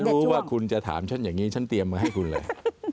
รู้ว่าคุณจะถามฉันอย่างนี้ฉันเตรียมมาให้คุณเลย